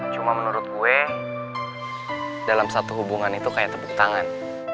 cuma menurut gue dalam satu hubungan itu kayak tepuk tangan